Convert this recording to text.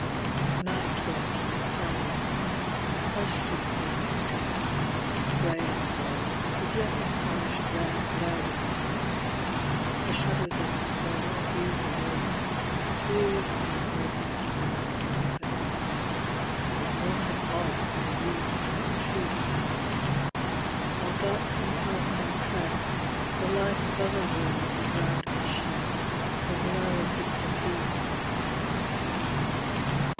Night works like Time : hushed is the busy street ; (irey are the walls, whose yet untarnished red (jlared in the sun ; for shadows overspread All hues of earth, that wearied eyes may meet The restful heavens ; that mortal hearts may greet Eternal truth : while darksome paths I tread, The light of other worlds is round me shed. The glow of distant oeons guides my feet.